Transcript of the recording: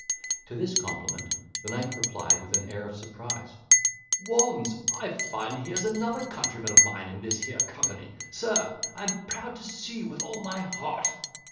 To this compliment the knight replied with an air of surprise: "Waunds! I find here's another countryman of mine in this here company. Sir, I am proud to see you with all my heart."